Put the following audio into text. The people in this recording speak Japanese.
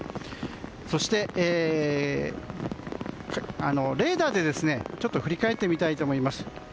そして、レーダーで振り返ってみたいと思います。